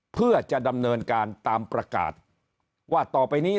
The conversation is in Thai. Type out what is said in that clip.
เพื่อจะดำเนินการตามประกาศว่าต่อไปนี้